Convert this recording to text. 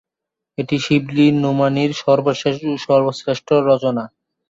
এটি শিবলী নোমানীর সর্বশেষ ও সর্বশ্রেষ্ঠ রচনা।